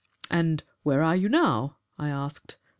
'And where are you now?' I asked.